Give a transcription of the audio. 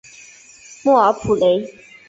莫尔普雷。